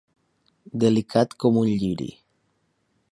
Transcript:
Delicat com un lliri.